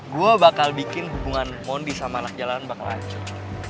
gue bakal bikin hubungan mondi sama anak jalanan bakalan lanjut